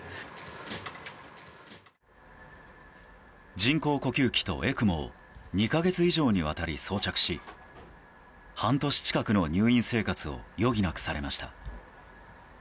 人工呼吸器とＥＣＭＯを２か月以上にわたり装着し半年近くの入院生活を余儀なくされました。